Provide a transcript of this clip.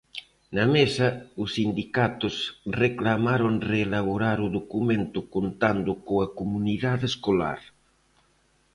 Na mesa, os sindicatos reclamaron reelaborar o documento contando coa comunidade escolar.